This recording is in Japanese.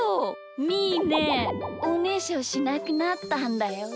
みーねおねしょしなくなったんだよ！